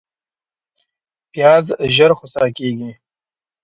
پیاز ژر خوسا کېږي